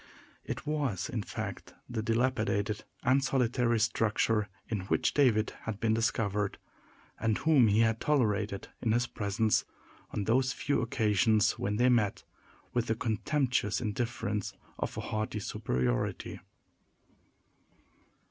It was, in fact, the dilapidated and solitary structure in which David had been discovered, and whom he had tolerated in his presence, on those few occasions when they met, with the contemptuous indifference of a haughty superiority.